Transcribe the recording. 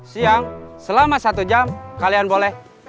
siang selama satu jam kalian boleh s i m